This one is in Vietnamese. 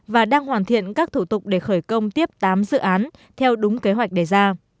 và đang hoàn thiện các thủ tục để khởi công tiếp tám dự án theo đúng kế hoạch đề ra